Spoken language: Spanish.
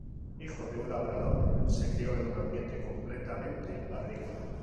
Hijo de un labrador, se crió en un ambiente completamente agrícola.